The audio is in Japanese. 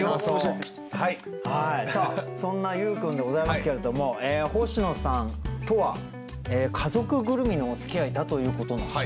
さあそんな優君でございますけれども星野さんとは家族ぐるみのおつきあいだということなんですね？